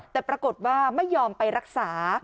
แต่ปรากฏว่าไม่ยอมไปรักษา